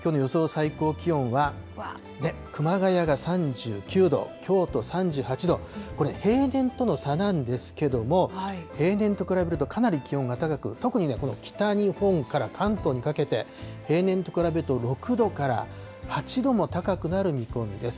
最高気温は、熊谷が３９度、京都３８度、これ平年との差なんですけども、平年と比べるとかなり気温が高く、特にこの北日本から関東にかけて、平年と比べると６度から８度も高くなる見込みです。